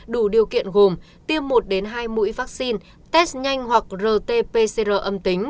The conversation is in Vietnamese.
đủ điều kiện gồm tiêm một hai mũi vaccine test nhanh hoặc rt pcr âm tính